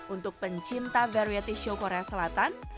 untuk pencinta garweety show korea selatan